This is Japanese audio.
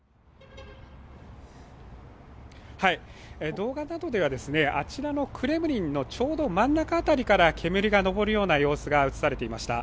動画などでは、あちらのクレムリンのちょうど真ん中辺りから煙が上るような様子が映されていました。